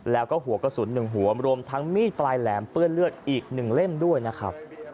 แล้วก็หัวกระสุน๑หัวรวมทั้งมีดปลายแหลมเปื้อนเลือดอีก๑เล่มด้วยนะครับ